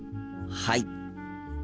はい！